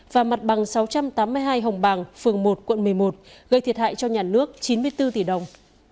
và mặt bằng sáu trăm tám mươi hai hồng bàng phường một quận một mươi một gây thiệt hại cho nhà nước chín mươi bốn tỷ đồng